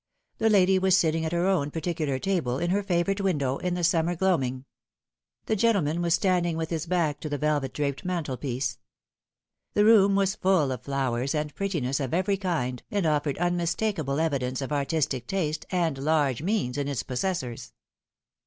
The lady was sitting at her own particular table, in her favourite window, in the summer gloaming ; the gentle man was standing with his back to the velvet draped mantel piece. The room was full of flowers and prettinesses of every kind, and offered unmistakable evidence of artistic taste and large means in its possessors.